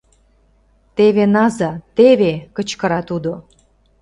— Теве наза, теве! — кычкыра тудо.